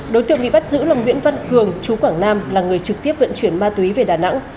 đối tượng bị bắt giữ là nguyễn văn cường chú quảng nam là người trực tiếp vận chuyển ma túy về đà nẵng